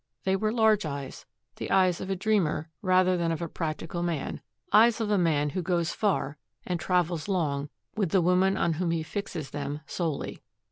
They were large eyes, the eyes of a dreamer, rather than of a practical man, eyes of a man who goes far and travels long with the woman on whom he fixes them solely.